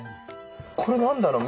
これ何だろう？